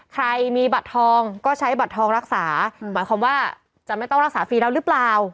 ใครมีบัตรทองก็ใช้บัตรทองรักษาหมายความว่าจะไม่ต้องรักษาฟรีแล้วหรือเปล่า